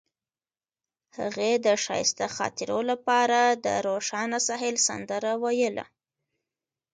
هغې د ښایسته خاطرو لپاره د روښانه ساحل سندره ویله.